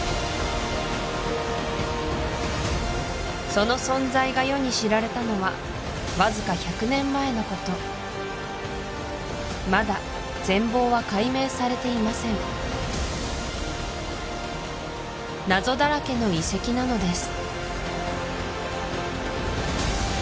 その存在が世に知られたのはわずか１００年前のことまだ全貌は解明されていません謎だらけの遺跡なのです